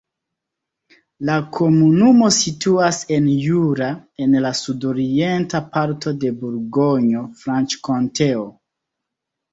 La komunumo situas en Jura, en la sudorienta parto de Burgonjo-Franĉkonteo.